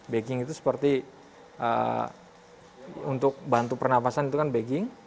bagging itu seperti untuk bantu pernafasan itu bagging